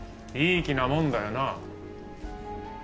いい気なもんだよな。